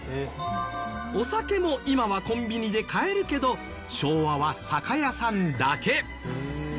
お酒も今はコンビニで買えるけど昭和は酒屋さんだけ。